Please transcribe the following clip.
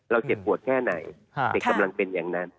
เจ็บปวดแค่ไหนเด็กกำลังเป็นอย่างนั้น